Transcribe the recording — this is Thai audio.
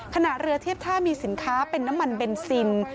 เรือเทียบท่ามีสินค้าเป็นน้ำมันเบนซิน